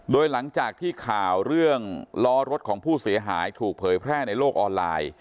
โดยหลังจากที่ข่าวเรื่องล้อรถของผู้เสียหายถูกเผยแพร่ในโลกออนไลน์